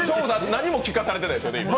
何も聞かされていないですよね、今。